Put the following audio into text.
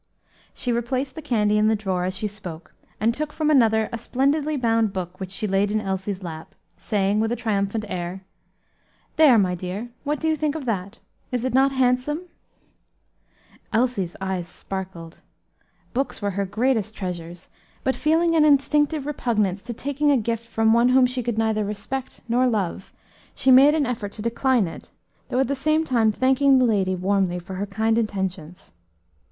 She replaced the candy in the drawer as she spoke, and took from another a splendidly bound book which she laid in Elsie's lap, saying, with a triumphant air, "There, my dear, what do you think of that? is it not handsome?" Elsie's eyes sparkled; books were her greatest treasures; but feeling an instinctive repugnance to taking a gift from one whom she could neither respect nor love, she made an effort to decline it, though at the same time thanking the lady warmly for her kind intentions.